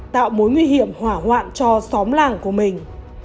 tạo mối nguy hiểm hỏa hoạn cho xóm làng của mình